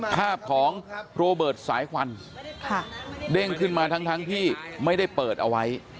ภาพของโรเบิร์ตสายควันเด้งขึ้นมาทั้งที่ไม่ได้เปิดเอาไว้